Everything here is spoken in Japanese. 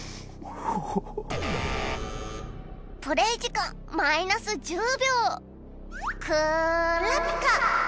「プレイ時間マイナス１０秒」「クラピカ」